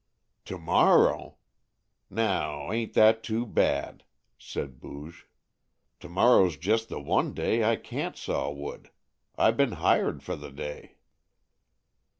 "To morrow? Now, ain't that too bad!" said Booge. "To morrow's just the one day I can't saw wood. I been hired for the day."